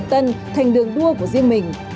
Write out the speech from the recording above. thành đường đua của riêng mình